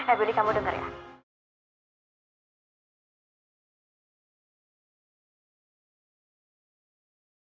eh budi kamu denger ya